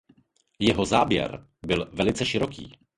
Jeho záběr byl velice široký.